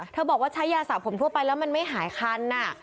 บอกว่าใช้ยาสระผมทั่วไปแล้วมันไม่หายคัน